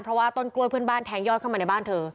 เพราะว่าต้นกล้วยเพื่อนบ้านแทงยอดเข้ามาในบ้านเธอ